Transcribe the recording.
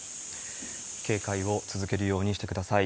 警戒を続けるようにしてください。